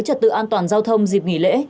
trật tự an toàn giao thông dịp nghỉ lễ